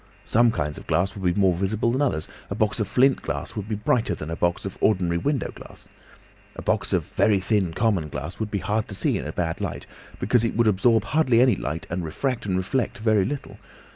Some kinds of glass would be more visible than others, a box of flint glass would be brighter than a box of ordinary window glass. A box of very thin common glass would be hard to see in a bad light, because it would absorb hardly any light and refract and reflect very little.